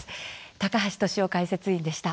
高橋俊雄解説委員でした。